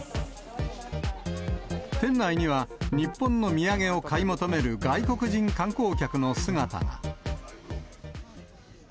店内には、日本の土産を買い求める外国人観光客の姿が。